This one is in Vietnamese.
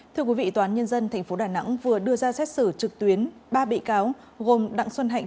thưa quý vị tòa án nhân dân tp đà nẵng vừa đưa ra xét xử trực tuyến ba bị cáo gồm đặng xuân hạnh